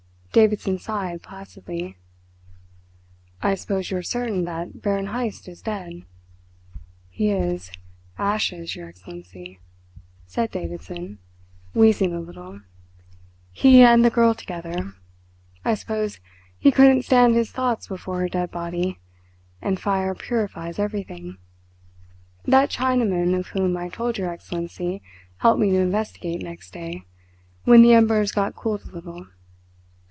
Davidson sighed placidly. "I suppose you are certain that Baron Heyst is dead?" "He is ashes, your Excellency," said Davidson, wheezing a little; "he and the girl together. I suppose he couldn't stand his thoughts before her dead body and fire purifies everything. That Chinaman of whom I told your Excellency helped me to investigate next day, when the embers got cooled a little.